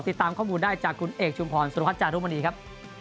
ติดตามข้อมูลได้จากคุณเอกชุมพรสุดพัฒน์จากทุกวันนี้ครับ